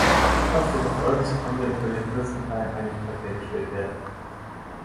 Trotz des Erfolges konnte unter den Christen keine Einigkeit hergestellt werden.